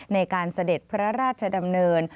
เสด็จพระราชดำเนิน